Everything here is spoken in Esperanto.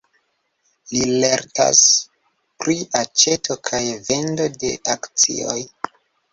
Li lertas pri aĉeto kaj vendo de akcioj.